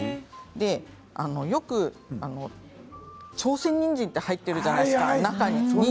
よく朝鮮にんじんって入ってるじゃないですか、中に。